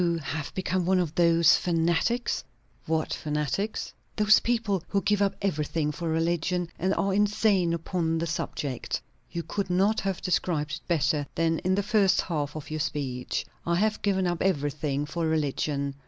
_ have become one of those fanatics?" "What fanatics?" "Those people who give up everything for religion, and are insane upon the subject." "You could not have described it better, than in the first half of your speech. I have given up everything for religion.